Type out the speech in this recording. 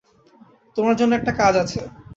তোমার জন্য একটা কাজ আছে।